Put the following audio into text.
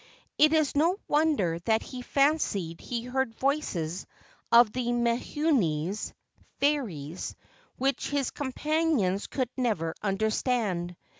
It is no wonder that he fancied he heard voices of the menehunes (fairies), which his companions could never understand.